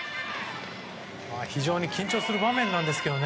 非常に緊張する場面なんですけどね。